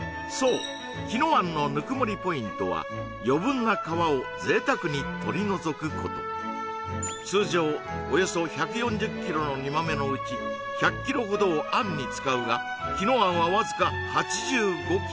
そうキノアンのぬくもりポイントは余分な皮を贅沢に取りのぞくこと通常およそ１４０ｋｇの煮豆のうち１００ｋｇほどをあんに使うがキノアンはわずか８５ｋｇ